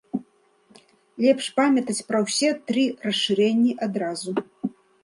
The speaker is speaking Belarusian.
Лепш памятаць пра ўсе тры расшырэнні адразу.